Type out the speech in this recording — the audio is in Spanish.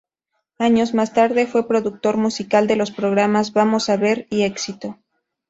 Años más tarde, fue productor musical de los programas "Vamos a ver" y "Éxito".